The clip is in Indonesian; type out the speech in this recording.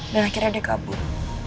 dan akhirnya dia kabur